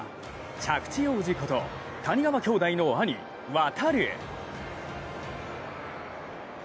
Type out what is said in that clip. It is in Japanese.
着地王子こと谷川兄弟の兄・航。